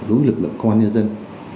đối với lực lượng công an nhân dân